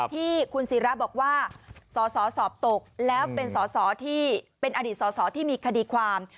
ที่คุณศิราบอกว่าสอสอสอบตกแล้วเป็นสอสอที่เป็นอดีตสอสอที่มีคดีความ